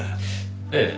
ええ。